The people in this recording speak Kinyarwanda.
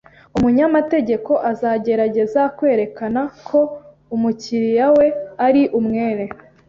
Umunyamategeko azagerageza kwerekana ko umukiriya we ari umwere.